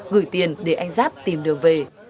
gửi tiền để anh giáp tìm đường về